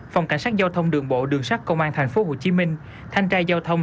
phòng cảnh sát giao thông đường bộ đường sát công an tp hcm thanh trai giao thông